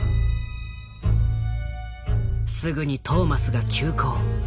すぐにトーマスが急行。